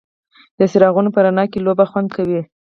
د څراغونو په رڼا کې لوبه خوند کوي.